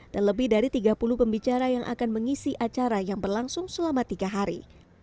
dan lebih dari tiga puluh pembicara yang akan mengisi acara yang berlangsung selama tiga hari